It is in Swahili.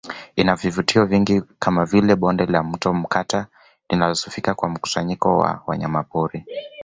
Ina vivutio vingi kama vile Bonde la Mto Mkata linalosifika kwa mkusanyiko wa wanyamapori